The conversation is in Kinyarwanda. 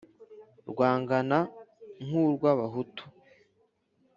rwangana nku rwa bahutu